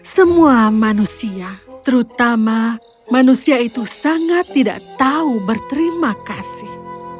semua manusia terutama manusia itu sangat tidak tahu berterima kasih